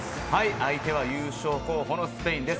相手は優勝候補のスペインです。